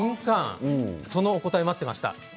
その答えを待っていました。